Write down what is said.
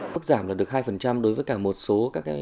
mức giảm là được hai đối với cả một số các